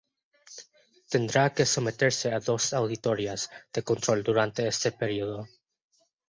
Tendrá que someterse a dos auditorías de control durante este período.